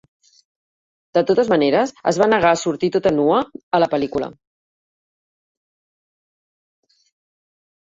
De totes maneres, es va negar a sortir tota nua a la pel·lícula.